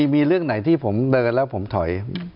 มีเรื่องไหนที่ผมเดินแล้วผมถอย